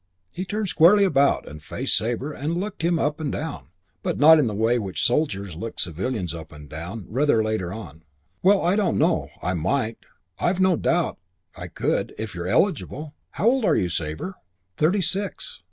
He turned squarely about and faced Sabre and looked him up and down, but not in the way in which soldiers looked civilians up and down rather later on. "Well, I don't know. I might. I've no doubt I could, if you're eligible. How old are you, Sabre?" "Thirty six."